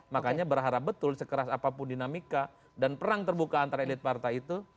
makanya berharap betul sekeras apapun dinamika dan perang terbuka antara elit partai itu